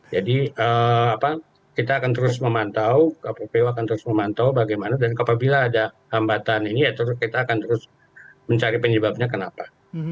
jadi kita akan terus memantau kppu akan terus memantau bagaimana dan apabila ada hambatan ini ya kita akan terus mencari penyebabnya kenapa